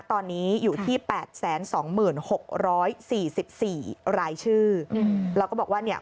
ตอนนี้อยู่ที่๘๒๖๔๔รายชื่อแล้วก็บอกว่าเนี่ย